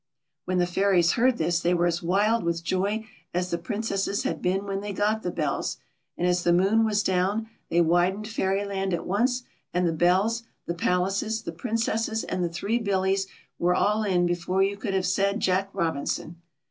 When the fairies heard this, they were as wild with joy as the Princesses had been when they got the bells ; and as the moon was down, they widened Fairyland at once ; and the bells, the palaces, the Princesses, and the three Billies were all in before you could have said Jack Robinson.